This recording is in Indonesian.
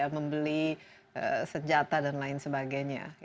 membeli senjata dan lain sebagainya